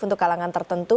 untuk kalangan tertentu